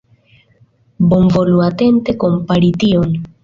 Bonvolu atente kompari tion.